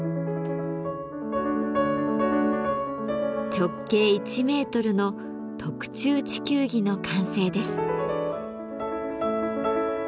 直径１メートルの特注地球儀の完成です。